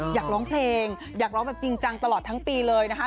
อยากร้องเพลงอยากร้องแบบจริงจังตลอดทั้งปีเลยนะคะ